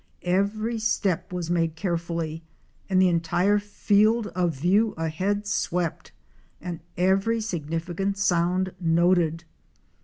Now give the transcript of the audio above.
Every step was made carefully and the entire field of view ahead swept, and every significant sound noted.